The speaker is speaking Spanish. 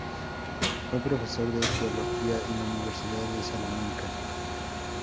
Fue profesor de teología en la Universidad de Salamanca.